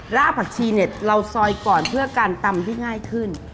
แล้วเอาผักชีเนี่ยเราซอยก่อนเพื่อการตำให้ง่ายขึ้น